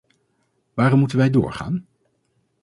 Waarom moeten wij doorgaan?